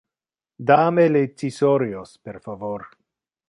Da me le cisorios, per favor.